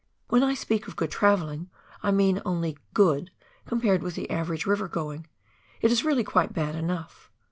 When I speak of good travelling I only mean "good" compared with the average river going — it is really quite bad enough.